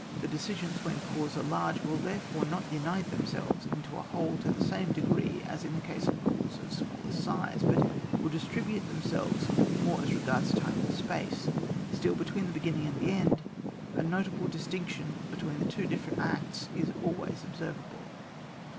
The decisions, when corps are large, will therefore not unite them selves into a whole to the same degree as in the case of corps of smaller size, but will distribute themselves more as regards time and space ; still between the beginning and the end, a notable dis tinction between the two different acts is always observable.